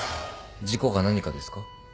事故か何かですか？